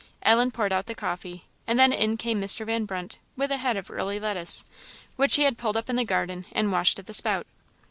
Ellen poured out the coffee, and then in came Mr. Van Brunt with a head of early lettuce, which he had pulled in the garden and washed at the spout.